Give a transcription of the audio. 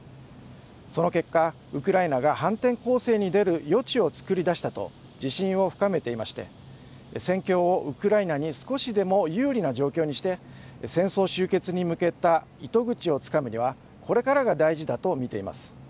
その結果、ウクライナが反転攻勢に出る余地を作り出したと自信を深めていまして戦況をウクライナに少しでも有利な状況にして戦争終結に向けた糸口をつかむにはこれからが大事だとみています。